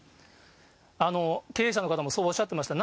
経営者の方もそうおっしゃってました。